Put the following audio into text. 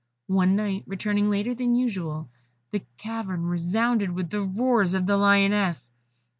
One night, returning later than usual, the cavern resounded with the roars of the Lioness.